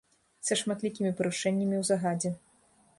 Са шматлікімі парушэннямі ў загадзе.